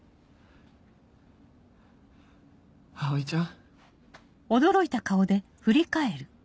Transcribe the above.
葵ちゃん。